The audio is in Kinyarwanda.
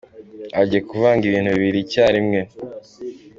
Agiye kuvanga ibintu bibiri icyarimwe